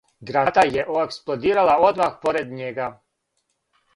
Граната је експлодирала одмах поред њега.